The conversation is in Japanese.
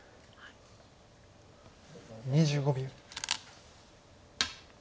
２５秒。